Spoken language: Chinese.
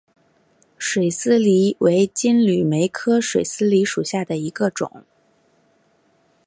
水丝梨为金缕梅科水丝梨属下的一个种。